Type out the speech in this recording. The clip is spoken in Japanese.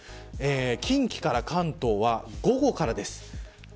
近畿から関東は午後からです。